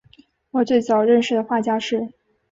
我最早认识的画家是